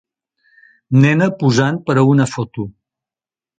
nena posant per a una foto